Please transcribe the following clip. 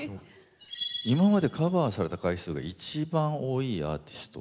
今までカバーされた回数が一番多いアーティスト。